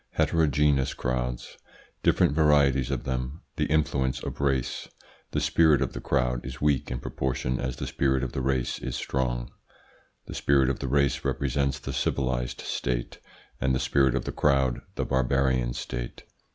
HETEROGENEOUS CROWDS. Different varieties of them The influence of race The spirit of the crowd is weak in proportion as the spirit of the race is strong The spirit of the race represents the civilised state and the spirit of the crowd the barbarian state.